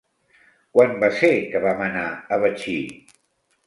Quan va ser que vam anar a Betxí?